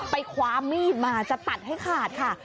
คว้ามีดมาจะตัดให้ขาดค่ะ